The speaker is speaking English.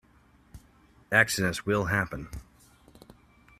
Accidents will happen.